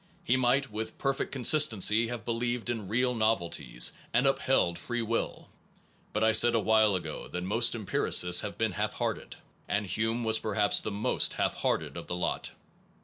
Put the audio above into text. He might with perfect consistency have believed in real novelties, and upheld freewill. But I said awhile ago that most empiricists had been half hearted; and Hume was perhaps the most half hearted of the lot.